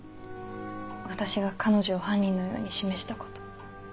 私が彼女を犯人のように示したこと。